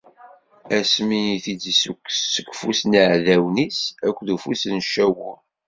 Asmi i t-id-issukkes seg ufus n yiɛdawen-is akked ufus n Cawul.